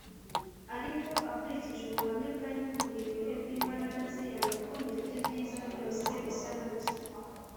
. Ariko akurikije ubuhamya bwari bumuri imbere bw’imbaraga ze, yanga akomeje ibyo byiza byose bisa na ruswa